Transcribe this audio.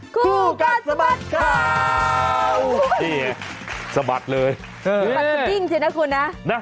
คู่กัดสะบัดครัวสะบัดเลยสะบัดดิ้งจริงนะคุณนะ